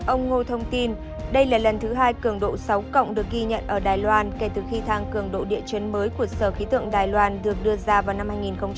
ông ngô thông tin đây là lần thứ hai cường độ sáu cộng được ghi nhận ở đài loan kể từ khi thang cường độ địa chấn mới của sở khí tượng đài loan được đưa ra vào năm hai nghìn một mươi